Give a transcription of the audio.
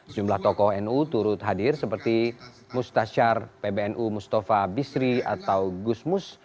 jumlah tokoh nu turut hadir seperti mustasyar pbnu mustafa bisri atau gusmus